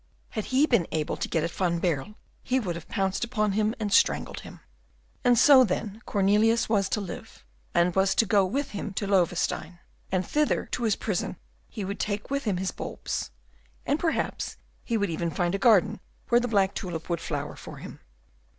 Had he been able to get at Van Baerle, he would have pounced upon him and strangled him. And so, then, Cornelius was to live, and was to go with him to Loewestein, and thither to his prison he would take with him his bulbs; and perhaps he would even find a garden where the black tulip would flower for him.